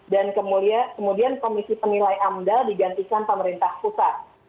dan kemudian komisi pemilai amdal digantikan pemerintah pusat